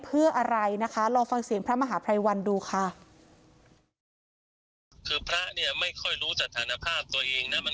เพื่ออะไรนะคะลองฟังเสียงพระมหาภัยวันดูค่ะ